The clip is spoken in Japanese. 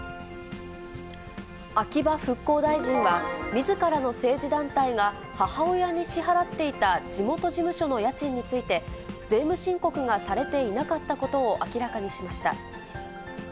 秋葉復興大臣が、みずからの政治団体が母親に支払っていた地元事務所の家賃について、税務申告がされていなかったことを明らかにしました。